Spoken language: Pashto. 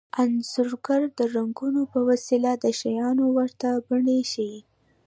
انځورګر د رنګونو په وسیله د شیانو ورته بڼې ښيي